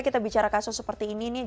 kita bicara kasus seperti ini nih